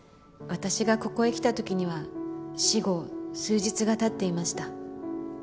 私がここへ来たときには死後数日がたっていました。